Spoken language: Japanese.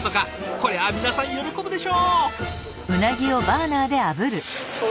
これは皆さん喜ぶでしょ！